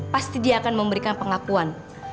pasti dia akan memberikan pengakuan